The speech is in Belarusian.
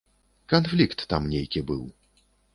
Канфлікт там нейкі быў.